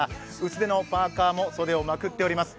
薄手のパーカも袖をまくっております。